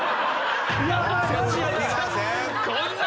こんな。